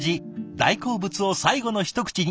大好物を最後の一口に。